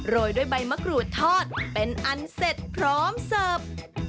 ยด้วยใบมะกรูดทอดเป็นอันเสร็จพร้อมเสิร์ฟ